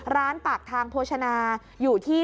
ปากทางโภชนาอยู่ที่